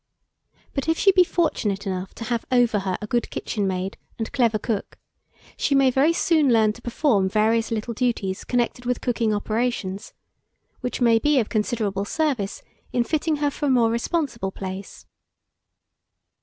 But if she be fortunate enough to have over her a good kitchen maid and clever cook, she may very soon learn to perform various little duties connected with cooking operations, which may be of considerable service in fitting her for a more responsible place.